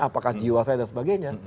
apakah jiwa saya dan sebagainya